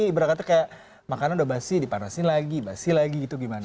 ibaratnya kayak makanan udah basi dipanasin lagi basi lagi gitu gimana